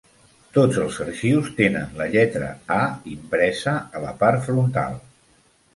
Tots els arxius tenen la lletra "A" impresa a la part frontal.